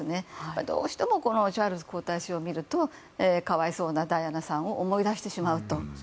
だから、どうしてもチャールズ皇太子を見ると可哀想なダイアナさんを思い出してしまうと。